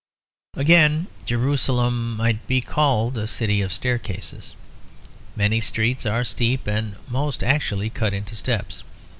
Again, Jerusalem might be called a city of staircases. Many streets are steep and most actually cut into steps.